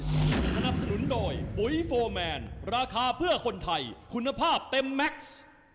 สนับสนุนโดยปุ๋ยโฟร์แมนราคาเพื่อคนไทยคุณภาพเต็มแม็กซ์